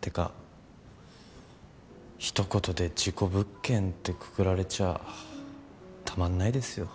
てかひと言で事故物件ってくくられちゃたまんないですよ。